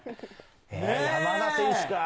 山田選手か。